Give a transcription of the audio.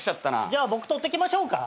じゃあ僕取ってきましょうか？